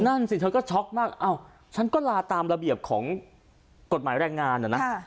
นั่นสิเธอก็ช็อกมากอ้าวฉันก็ลาตามระเบียบของกฎหมายแรงงานนะ